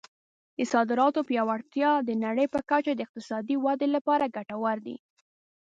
د صادراتو پیاوړتیا د نړۍ په کچه د اقتصادي ودې لپاره ګټور دی.